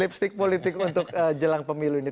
lipstick politik untuk jelang pemilu ini